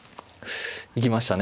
行きましたね。